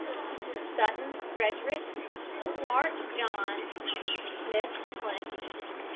SUTTON, FREDERICK. SMART, JOHN M. SMITH, CLINCH.